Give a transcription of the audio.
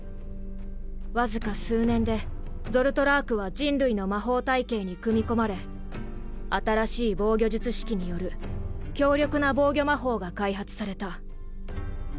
わずか数年でゾルトラークは人類の魔法体系に組み込まれ新しい防御術式による強力な防御魔法が開発された。